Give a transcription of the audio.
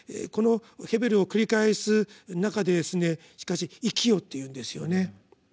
この「ヘベル」を繰り返す中でしかし「生きよ」というんですよね。